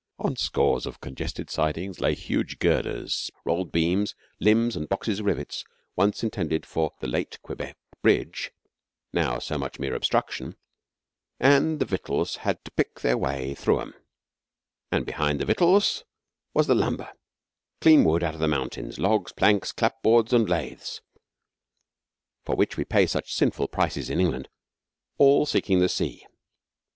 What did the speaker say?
On scores of congested sidings lay huge girders, rolled beams, limbs, and boxes of rivets, once intended for the late Quebec Bridge now so much mere obstruction and the victuals had to pick their way through 'em; and behind the victuals was the lumber clean wood out of the mountains logs, planks, clapboards, and laths, for which we pay such sinful prices in England all seeking the sea.